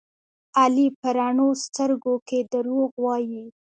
علي په رڼو سترګو کې دروغ وایي.